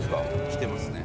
来てますね。